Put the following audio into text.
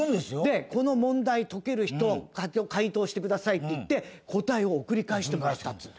でこの問題解ける人解答してくださいって言って答えを送り返してもらった。